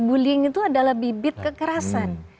bullying itu adalah bibit kekerasan